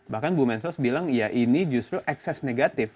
bahkan bu mensos bilang ya ini justru ekses negatif